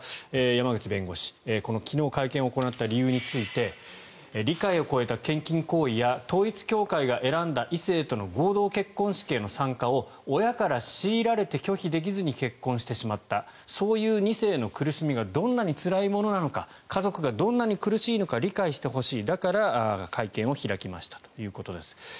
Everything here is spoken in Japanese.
山口弁護士昨日、会見を行った理由について理解を超えた献金行為や統一教会が選んだ異性との合同結婚式への参加を親から強いられて拒否できずに結婚してしまったそういう２世の苦しみがどんなにつらいものなのか家族がどんなに苦しいか理解してほしいだから会見を開きましたということです。